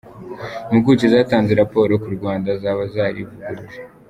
Impuguke zatanze raporo ku Rwanda zaba zarivuguruje